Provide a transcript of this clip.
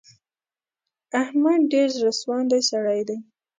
احمد ډېر زړه سواندی سړی دی.